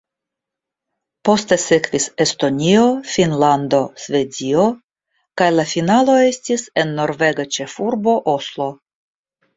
Poste sekvis Estonio, Finnlando, Svedio kaj la finalo estis en norvega ĉefurbo Oslo.